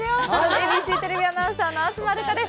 ＡＢＣテレビアナウンサーの東留伽です。